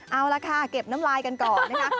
เอาล่ะค่ะเก็บน้ำลายกันก่อนนะคะ